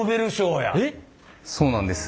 そうなんです。